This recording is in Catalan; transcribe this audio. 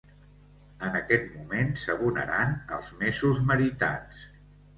En aquest moment s'abonaran els mesos meritats.